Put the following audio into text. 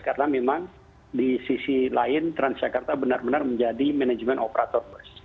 karena memang di sisi lain transjakarta benar benar menjadi manajemen operator bus